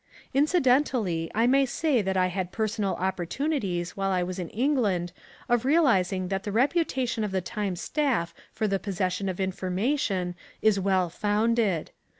Incidentally I may say that I had personal opportunities while I was in England of realising that the reputation of the Times staff for the possession of information is well founded.